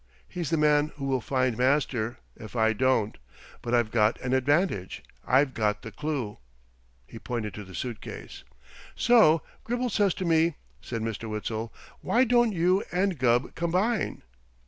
He's the man who will find Master, if I don't. But I've got an advantage. I've got the clue.'" He pointed to the suitcase. "So Gribble says to me," said Mr. Witzel, "'Why don't you and Gubb combine?'